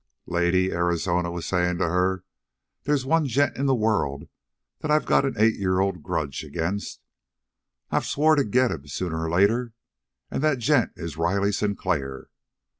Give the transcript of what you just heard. "Lady," Arizona was saying to her, "they's one gent in the world that I've got an eight year old grudge agin'. I've swore to get him sooner or later, and that gent is Riley Sinclair.